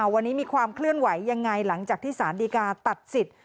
วันนี้มีความเคลื่อนไหวยังไงหลังจากที่สารดีกาตัดสิทธิ์